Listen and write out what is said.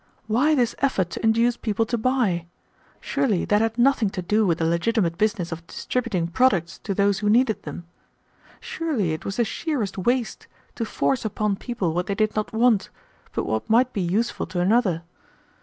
Why this effort to induce people to buy? Surely that had nothing to do with the legitimate business of distributing products to those who needed them. Surely it was the sheerest waste to force upon people what they did not want, but what might be useful to another.